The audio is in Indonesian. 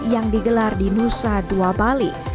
yang digelar di nusa dua bali